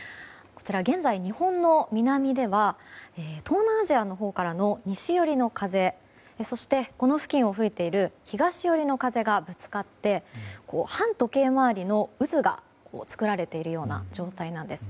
現在、日本の南では東南アジアのほうからの西寄りの風そして、この付近を吹いている東寄りの風がぶつかって反時計回りの渦が作られているような状態です。